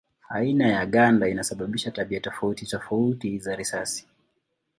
Aina ya ganda inasababisha tabia tofauti tofauti za risasi.